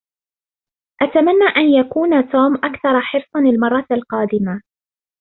أتمنى ان يكون توم أكثر حرصاً المرة القادمة.